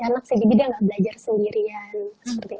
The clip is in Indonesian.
anak sendiri dia enggak belajar sendirian